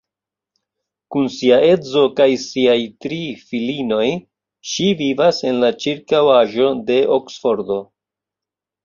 Kun sia edzo kaj siaj tri filinoj ŝi vivas en la ĉirkaŭaĵo de Oksfordo.